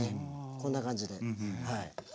こんな感じではい。